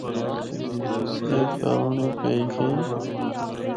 اے کرنڑیں پئے گئی۔